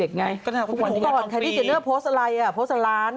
ทุกวันนี้มันทำฟรีเพราะว่าไคลรี่เจนเนอร์โพสต์อะไรโพสต์ร้าน